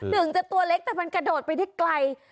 ถึงจะตัวเล็กแต่มันกระโดดไปได้ไกล